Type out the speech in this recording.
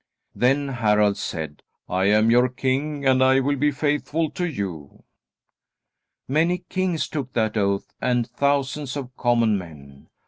Then Harald said: "I am your king, and I will be faithful to you." Many kings took that oath and thousands of common men.